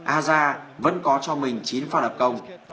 aja vẫn có cho mình chín phản ập công